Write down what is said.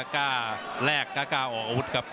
กล้าแลกกล้าออกอาวุธครับ